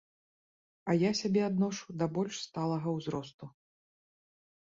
А я сябе адношу да больш сталага ўзросту.